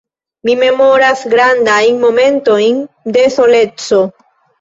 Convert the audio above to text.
Mi memoras grandajn momentojn de soleco.